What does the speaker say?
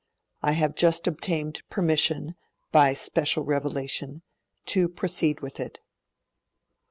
'I have just obtained permission, by special revelation, to proceed with it.'